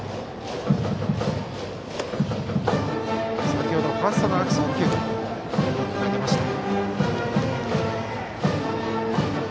先ほどファーストの悪送球という記録が出ました。